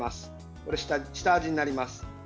これが下味になります。